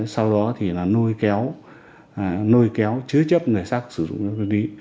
sau đó thì là nôi kéo chứa chấp người sắc sử dụng ma túy